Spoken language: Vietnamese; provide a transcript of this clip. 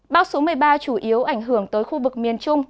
bão số một mươi ba chủ yếu ảnh hưởng tới khu vực miền trung